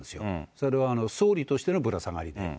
それは総理としてのぶら下がりで。